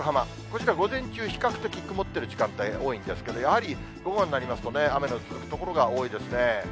こちら午前中、比較的曇ってる時間帯多いんですけど、やはり午後になりますとね、雨の続く所が多いですね。